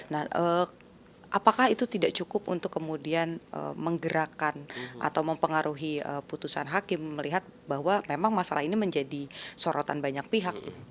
nah apakah itu tidak cukup untuk kemudian menggerakkan atau mempengaruhi putusan hakim melihat bahwa memang masalah ini menjadi sorotan banyak pihak